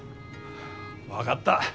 分がった。